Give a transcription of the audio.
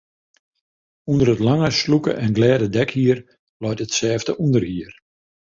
Under it lange, slûke en glêde dekhier leit it sêfte ûnderhier.